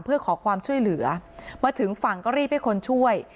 เพื่อขอความช่วยเหลือมาถึงฝั่งก็รีบให้คนช่วย